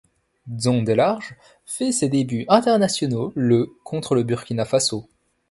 Dzon Delarge fait ses débuts internationaux le contre le Burkina Faso.